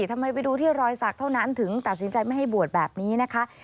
ทำไมไปดูที่รอยสักเท่านั้นถึงตัดสินใจไม่ให้บวชแบบนี้นะคะ